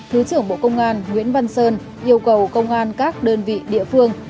thứ trưởng bộ công an nguyễn văn sơn yêu cầu công an các đơn vị địa phương